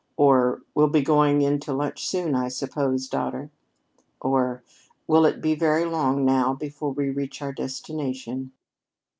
or "We'll be going in to lunch soon, I suppose, daughter?" or "Will it be very long now before we reach our destination?"